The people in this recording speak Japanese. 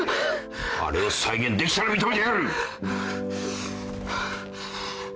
あれを再現できたら認めてやる。